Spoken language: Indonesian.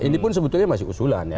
ini pun sebetulnya masih usulan ya